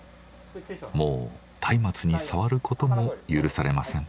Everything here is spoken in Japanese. もう松明に触ることも許されません。